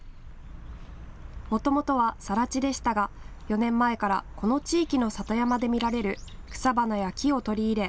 もともとは、さら地でしたが４年前からこの地域の里山で見られる草花や木を取り入れ